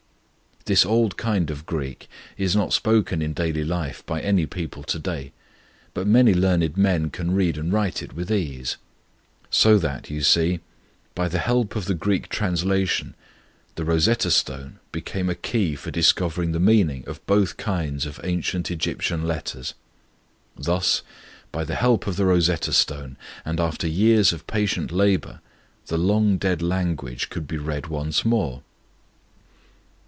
This old kind of Greek is not spoken in daily life by any people to day, but many learned men can read and write it with ease; so that, you see, by the help of the Greek translation, the Rosetta Stone became a key for discovering the meaning of both kinds of ancient Egyptian letters. Thus, by the help of the Rosetta Stone, and after years of patient labour, the long dead language could be read once more.